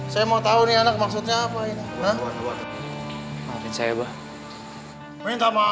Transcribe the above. kamu tau tidak sakit hatinya dia seperti apa